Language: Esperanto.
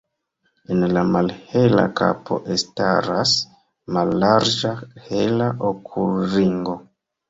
En la malhela kapo elstaras mallarĝa hela okulringo.